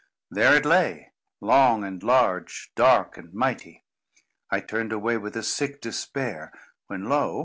There it lay, long and large, dark and mighty. I turned away with a sick despair; when lo!